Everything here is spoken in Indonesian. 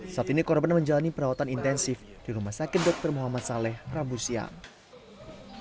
saat ini korban menjalani perawatan intensif di rumah sakit dr muhammad saleh rabu siang